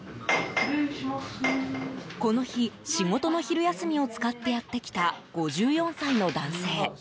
この日、仕事の昼休みを使ってやってきた５４歳の男性。